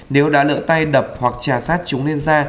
nếu đã lỡ tay đập hoặc trà sát chúng lên da